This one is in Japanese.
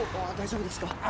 大丈夫ですか？